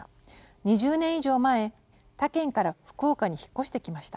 「２０年以上前他県から福岡に引っ越してきました。